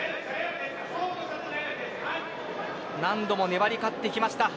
何度も粘り勝ってきました。